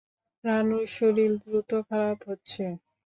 রানুর শরীর দ্রুত খারাপ হচ্ছে।